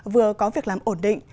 vừa có việc làm ổn định